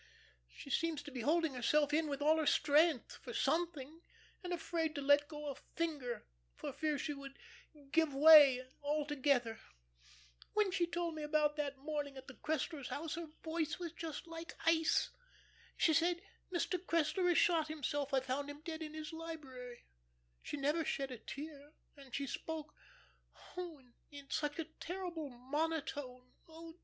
She seems to be holding herself in with all her strength for something and afraid to let go a finger, for fear she would give way altogether. When she told me about that morning at the Cresslers' house, her voice was just like ice; she said, 'Mr. Cressler has shot himself. I found him dead in his library.' She never shed a tear, and she spoke, oh, in such a terrible monotone. Oh!